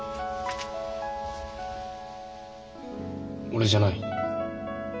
俺じゃない。